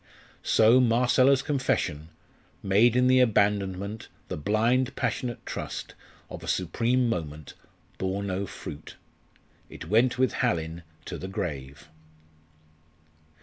So Marcella's confession made in the abandonment, the blind passionate trust, of a supreme moment bore no fruit. It went with Hallin to the grave.